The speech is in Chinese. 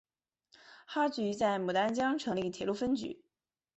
哈局在牡丹江成立铁路分局。